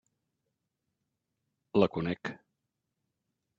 La conec.